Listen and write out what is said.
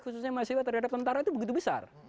khususnya mahasiswa terhadap tentara itu begitu besar